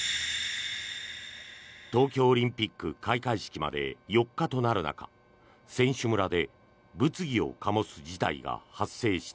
東京オリンピック開会式まで４日となる中選手村で物議を醸す事態が発生した。